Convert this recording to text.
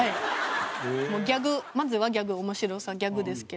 もうギャグまずはギャグ面白さギャグですけど。